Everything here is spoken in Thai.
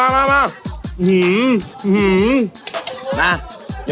ทำไมหยอด